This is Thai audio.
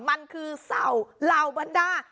มันคือเศร้าเหล่าบรรดา